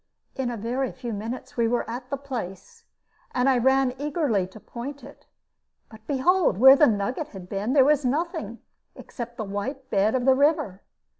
In a very few minutes we were at the place, and I ran eagerly to point it; but behold, where the nugget had been, there was nothing except the white bed of the river!